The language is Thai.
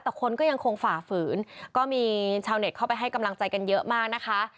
แต่คนก็ยังคงฝ่าฝืนก็มีชาวเน็ตเข้าไปให้กำลังใจกันเยอะมากนะคะ